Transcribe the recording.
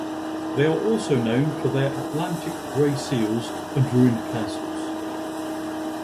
They are also known for their Atlantic grey seals and ruined castles.